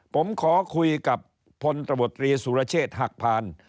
ผมขอคุยกับพลตบตรีสุรเชษฐ์หักพาน